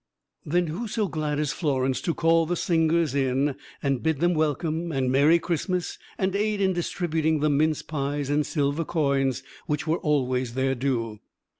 Then who so glad as Florence to call the singers in and bid them welcome and "Merry Christmas!" and aid in distributing the mince pies and silver coins which were always their due.